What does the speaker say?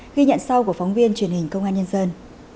ghi nhận sau của phóng viên truyền hình công an nhân dân